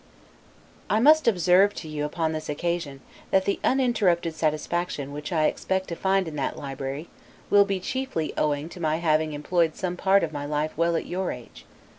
I must observe to you upon this occasion, that the uninterrupted satisfaction which I expect to find in that library, will be chiefly owing to my having employed some part of my life well at your age.